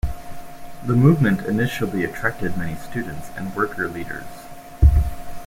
The movement initially attracted many students and worker leaders.